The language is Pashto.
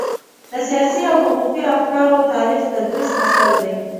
د سياسي او حقوقي افکارو تاریخ تدريسي اثر دی.